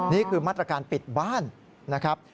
นี่คือมาตรการปิดบ้านนะครับ